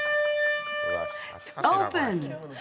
オープン！